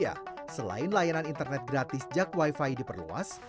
ya selain layanan internet gratis jackwifi diperluas